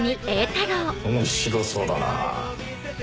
面白そうだな。